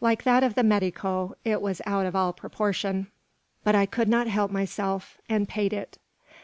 Like that of the medico, it was out of all proportion; but I could not help myself, and paid it.